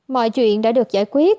mọi chuyện đã được giải quyết